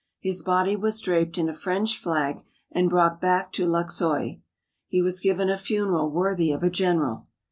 His body was draped in a French flag and brought back to Luxeuil. He was given a funeral worthy of a general.